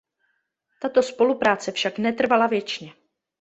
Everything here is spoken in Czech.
Tato spolupráce však netrvala věčně.